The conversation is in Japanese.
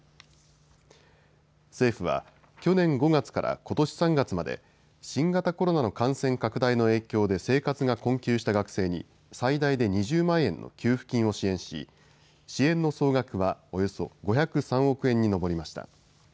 政府は、去年５月からことし３月まで新型コロナの感染拡大の影響で生活が困窮した学生に最大で２０万円の給付金を支援し支援の総額はおよそ５０３億円に上りました。